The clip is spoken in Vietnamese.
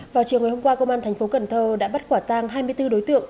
vào chiều ngày hôm qua công an thành phố cần thơ đã bắt quả tang hai mươi bốn đối tượng